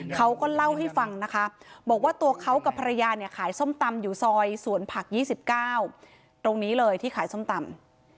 เขาก็เล่าให้ฟังนะคะบอกว่าตัวเขากับภรรยาเนี่ยขายส้มตำอยู่ซอยสวนผัก๒๙ตรงนี้เลยที่ขายส้มตำ